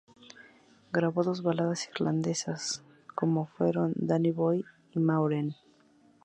Grabó dos baladas irlandesas como fueron "Danny Boy" y "Maureen".